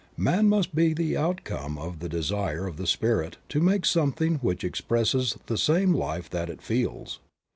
Man must be the outcome of the desire of the Spirit to make something which expresses the same life that It feels.